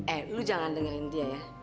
eh lu jangan dengerin dia ya